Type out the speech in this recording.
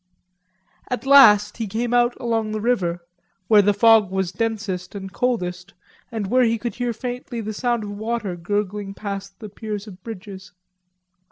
At last he came out along the river, where the fog was densest and coldest and where he could hear faintly the sound of water gurgling past the piers of bridges.